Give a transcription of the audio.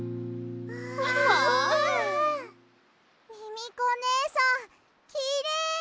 ミミコねえさんきれい！